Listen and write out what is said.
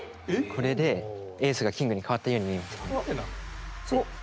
これでエースがキングに変わったように見えるんですよ。